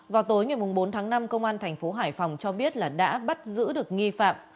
vào tối ngày bốn tháng năm công an thành phố hải phòng cho biết là đã bắt giữ được nghi phạm